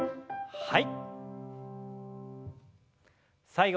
はい。